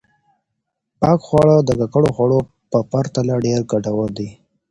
پاک خواړه د ککړو خوړو په پرتله ډېر ګټور دي.